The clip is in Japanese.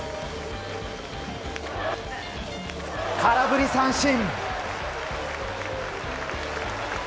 空振り三振。